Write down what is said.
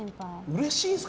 うれしいんですか？